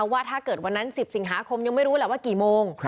วันนั้น๑๐สิงหาคมยังไม่รู้แหละว่ากี่โมง